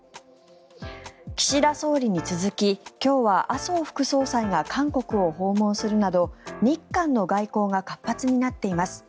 岸田総理に続き今日は麻生副総裁が韓国を訪問するなど日韓の外交が活発になっています。